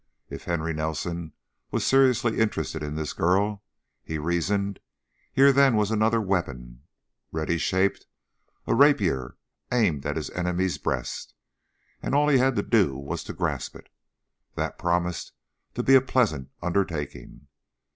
If Henry Nelson was seriously interested in this girl, he reasoned, here then was another weapon ready shaped a rapier aimed at his enemy's breast and all he had to do was grasp it. That promised to be a pleasant undertaking.